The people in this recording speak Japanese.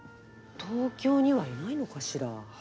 東京にはいないのかしら。